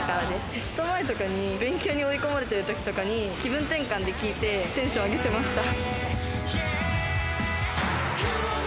テスト前とかに勉強に追い込まれてるときとかに、気分転換で聴いてテンションを上げてました。